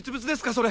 それ！